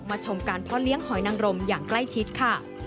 ชมการพ่อเลี้ยงหอยนังรมอย่างใกล้ชิดค่ะ